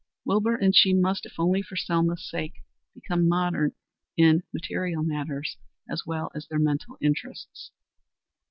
Wilbur and she must, if only for Selma's sake, become modern in material matters as well as in their mental interests.